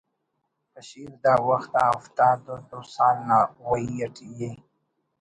بشیر داوخت آ ہفتاد و دو سال نا وئی اٹی ءِ